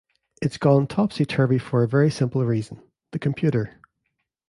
It's gone topsy-turvy for a very simple reason - the computer!